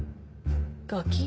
ガキ？